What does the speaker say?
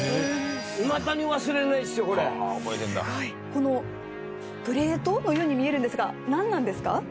このプレートのように見えるんですがなんなんですか？